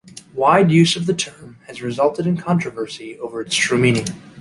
Wide use of the term has resulted in controversy over its true meaning.